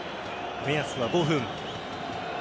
目安は５分。